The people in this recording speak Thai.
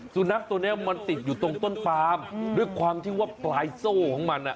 สุนัขตัวนี้มันติดอยู่ตรงต้นปามด้วยความที่ว่าปลายโซ่ของมันอ่ะ